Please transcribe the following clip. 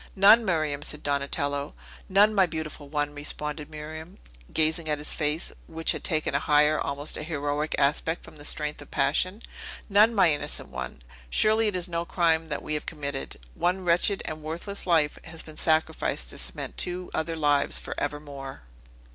"None, Miriam!" said Donatello. "None, my beautiful one!" responded Miriam, gazing in his face, which had taken a higher, almost an heroic aspect, from the strength of passion. "None, my innocent one! Surely, it is no crime that we have committed. One wretched and worthless life has been sacrificed to cement two other lives for evermore."